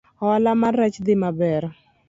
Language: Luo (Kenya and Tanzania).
Ohala mar rech dhi maber